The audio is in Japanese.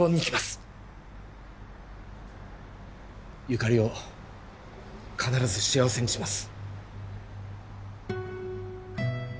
由香利を必ず幸せにします。